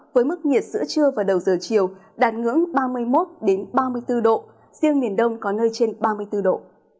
với mức nhiệt giữa trưa và đầu giờ chiều đạt ngưỡng ba mươi một ba mươi bốn độ riêng miền đông có nơi trên ba mươi bốn độ